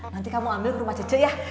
nanti kamu ambil ke rumah cece ya